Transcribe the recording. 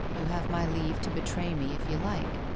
You have my leave to betray me if you like.